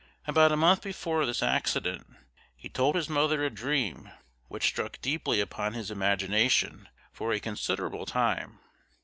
About a month before this accident he told his mother a dream which struck deeply upon his imagination for a considerable time.